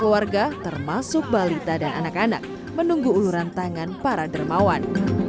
keluarga termasuk balita dan anak anak menunggu uluran tangan para dermawan